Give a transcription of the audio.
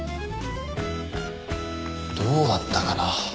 どうだったかな。